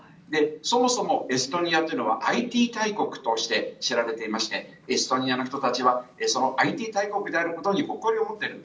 そもそも、エストニアというのはＩＴ大国として知られていてエストニアの人たちはＩＴ大国であることに誇りを持っている。